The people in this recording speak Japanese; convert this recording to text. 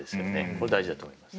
これ大事だと思います。